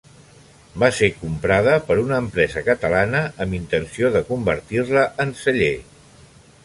Va ser comprada per una empresa catalana amb intenció de convertir-la en celler.